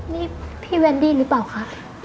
นี่พี่แวนดี้หรือเปล่าคะ